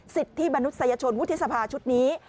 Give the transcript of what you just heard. สิทธิมนุษยชนวุฒิสภาชุดนี้